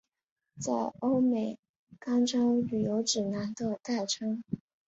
在欧美堪称旅行指南的代称。